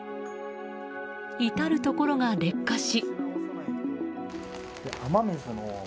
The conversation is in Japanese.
至るところが劣化し。